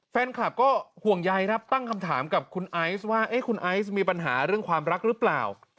แฟนคลับก็ห่วงใยครับตั้งคำถามกับคุณไอซ์ว่าคุณไอซ์มีปัญหาเรื่องความรักหรือเปล่า